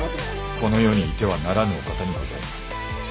この世にいてはならぬお方にございます。